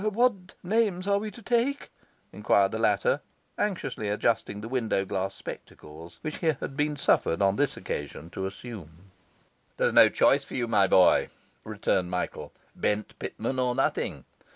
'What names are we to take?' enquired the latter, anxiously adjusting the window glass spectacles which he had been suffered on this occasion to assume. 'There's no choice for you, my boy,' returned Michael. 'Bent Pitman or nothing.